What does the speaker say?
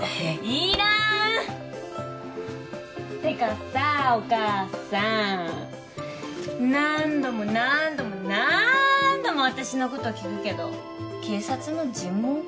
いらん！ってかさお母さん何度も何度もなーんども私の事聞くけど警察の尋問か？